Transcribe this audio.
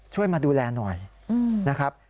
มาดูแลหน่อยนะครับ